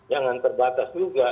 jangan terbatas juga